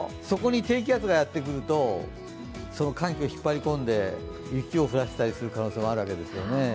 そこに低気圧がやってくるとその寒気を引っ張り込んで、雪を降らせたりする可能性もあるわけですね。